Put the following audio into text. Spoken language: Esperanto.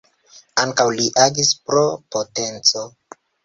Ankaŭ li agis pro potenco.